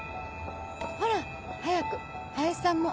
ほら早く林さんも。